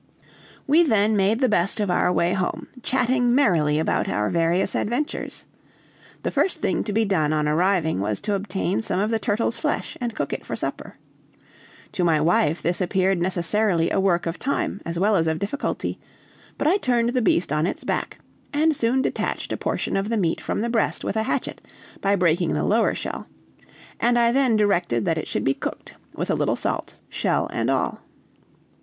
We then made the best of our way home, chatting merrily about our various adventures. The first thing to be done on arriving was to obtain some of the turtle's flesh and cook it for supper. To my wife this appeared necessarily a work of time, as well as of difficulty; but I turned the beast on its back, and soon detached a portion of the meat from the breast with a hatchet, by breaking the lower shell: and I then directed that it should be cooked, with a little salt, shell and all.